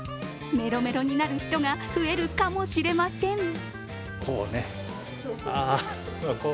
メロメロになる人が増えるかもしれません。